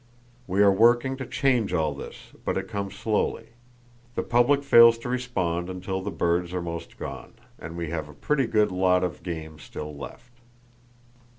We are working to change all this, but it comes slowly. The public fails to respond until the birds are 'most gone, and we have a pretty good lot of game still left.